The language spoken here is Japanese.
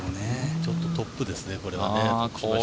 ちょっとトップですね。